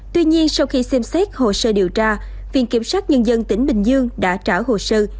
tuy nhiên sau khi xem xét hồ sơ điều tra viện kiểm sát nhân dân tỉnh bình dương đã trả hồ sơ